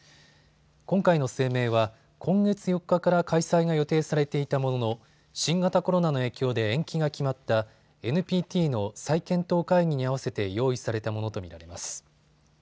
今回の声明は今月４日から開催が予定されていたものの新型コロナの影響で延期が決まったＮＰＴの再検討会議に合わせて用意されたものと見られます。